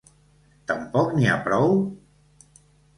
Tampoc n’hi ha prou?